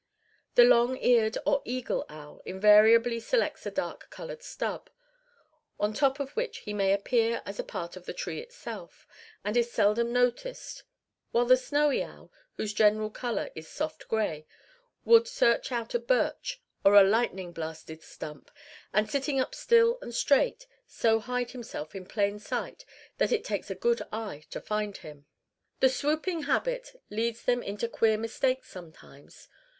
The long eared, or eagle owl invariably selects a dark colored stub, on top of which he appears as a part of the tree itself, and is seldom noticed; while the snowy owl, whose general color is soft gray, will search out a birch or a lightning blasted stump, and sitting up still and straight, so hide himself in plain sight that it takes a good eye to find him. The swooping habit leads them into queer mistakes sometimes.